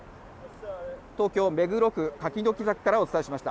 東京、目黒区柿の木坂からお伝えしました。